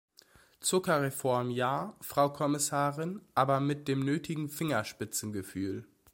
Zuckerreform ja, Frau Kommissarin, aber mit dem nötigen Fingerspitzengefühl.